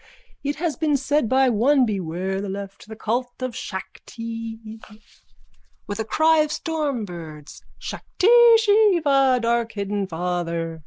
It has been said by one: beware the left, the cult of Shakti. (With a cry of stormbirds.) Shakti Shiva, darkhidden Father!